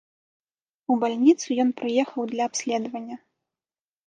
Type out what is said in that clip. У бальніцу ён прыехаў для абследавання.